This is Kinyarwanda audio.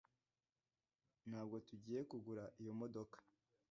Ntabwo tugiye kugura iyo modoka